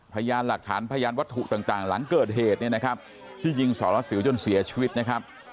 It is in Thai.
พยานหลักฐานพยานวัตถุต่างหลังเกิดเหตุเนี่ยนะครับที่ยิงสารวัสสิวจนเสียชีวิตนะครับ